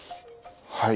はい。